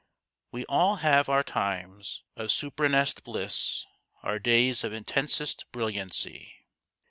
WE all have our times of suprernest bliss our days of intensest brilliancy.